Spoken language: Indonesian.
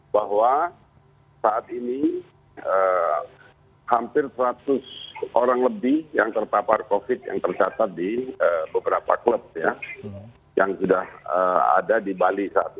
bahwa saat ini hampir seratus orang lebih yang terpapar covid yang tercatat di beberapa klub ya yang sudah ada di bali saat ini